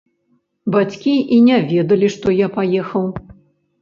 Бацькі і не ведалі, што я паехаў.